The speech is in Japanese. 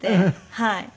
はい。